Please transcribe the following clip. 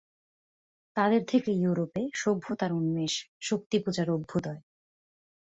তাদের থেকে ইউরোপে সভ্যতার উন্মেষ, শক্তিপূজার অভ্যুদয়।